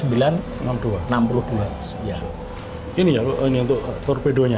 ini untuk torpedo nya